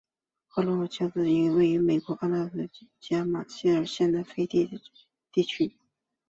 霍格乔是一个位于美国阿拉巴马州马歇尔县的非建制地区。